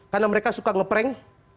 karena mereka suka nge prank